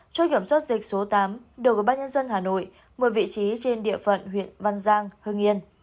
chốt kiểm soát dịch số tám được ủy ban nhân dân hà nội mở vị trí trên địa phận huyện văn giang hương yên